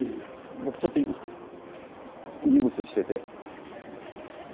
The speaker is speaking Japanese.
僕ちょっと今ギプスしてて。